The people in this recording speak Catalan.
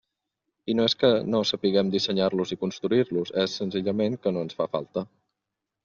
I no és que no sapiguem dissenyar-los i construir-los, és, senzillament, que no ens fan falta.